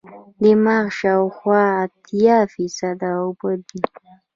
دماغ شاوخوا اتیا فیصده اوبه دي.